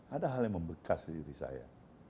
ada hal yang membekas diri saya